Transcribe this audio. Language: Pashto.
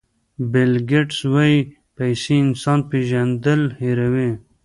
بیل ګېټس وایي پیسې انسان پېژندل هیروي.